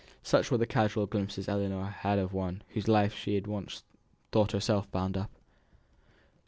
Such were the casual glimpses Ellinor had of one with whose life she had once thought herself bound up.